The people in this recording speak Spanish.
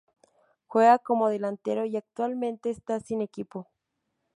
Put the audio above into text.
Juega como delantero y actualmente está sin equipo.